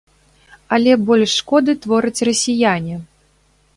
Але больш шкоды твораць расіяне.